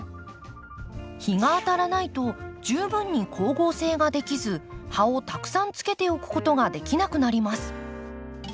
日が当たらないと十分に光合成ができず葉をたくさんつけておくことができなくなります。